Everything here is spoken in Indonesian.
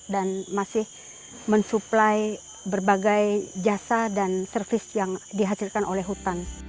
dan masih mensuplai berbagai jasa dan servis yang dihasilkan oleh hutan